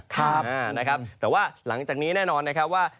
แต่ว่าหลังจากนี้แน่นอนนะครับว่า